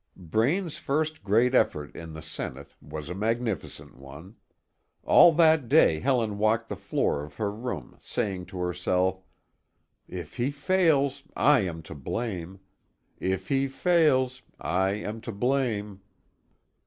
Braine's first great effort in the Senate was a magnificent one. All that day Helen walked the floor of her room, saying to herself: "If he fails, I am to blame. If he fails, I am to blame."